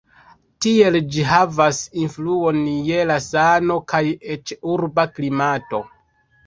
Tiel ĝi havas influon je la sano kaj eĉ urba klimato.